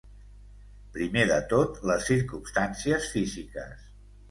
Primer de tot les circumstàncies físiques.